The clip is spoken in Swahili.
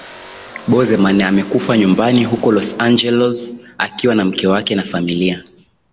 Boseman amekufa nyumbani huko Los Angeles akiwa na mke wake na familia